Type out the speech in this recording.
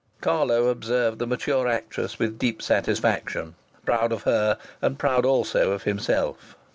Carlo observed the mature actress with deep satisfaction, proud of her, and proud also of himself.